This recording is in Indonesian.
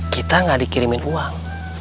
kita gak dikirimin uang